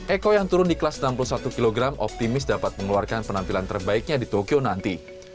eko yang turun di kelas enam puluh satu kg optimis dapat mengeluarkan penampilan terbaiknya di tokyo nanti